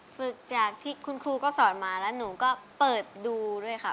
ฝึกจากที่คุณครูก็สอนมาแล้วหนูก็เปิดดูด้วยค่ะ